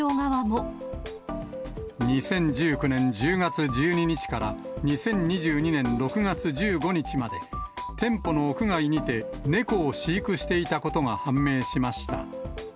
２０１９年１０月１２日から２０２２年６月１５日まで、店舗の屋外にて猫を飼育していたことが判明しました。